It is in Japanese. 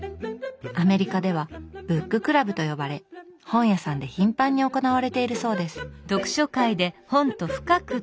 アメリカでは「ブッククラブ」と呼ばれ本屋さんで頻繁に行われているそうです。